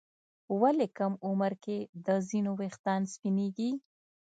ولې کم عمر کې د ځینو ويښتان سپینېږي؟